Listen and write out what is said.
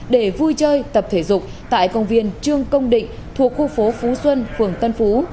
để vui chơi tập thể dục tại công viên trương công định thuộc khu phố phú xuân phường tân phú